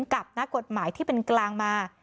กับนักกฎหมายที่เป็นกลางมา